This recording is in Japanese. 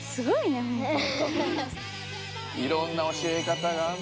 いろんな教えかたが。